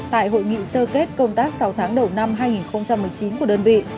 tại hội nghị sơ kết công tác sáu tháng đầu năm hai nghìn một mươi chín của đơn vị